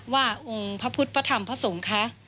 ว่าองค์พระพุทธพระธรรมพระสงฆ์คะ